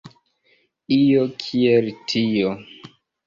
Io kiel tio.